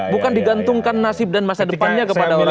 bukan digantungkan nasib dan masa depannya kepada orang lain